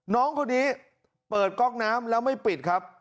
น้องคนนี้เปิดก๊อกน้ำแล้วไม่ปิดครับ